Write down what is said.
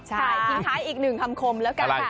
ใช่ทิ้งท้ายอีกหนึ่งคำคมแล้วกันค่ะ